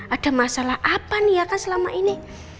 ada masalah apa nih ya kan selama ini